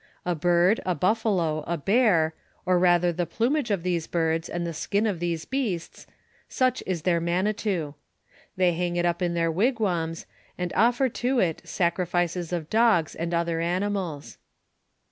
A bird, a buffalo^ a l>«ar, or rather tlio )>lumago of tlioso birds, and the skin of those beasts — such is Uieir manitou. They hang it up in their wigwams, and oflTor to it saorifice* of dogs and otlior animals.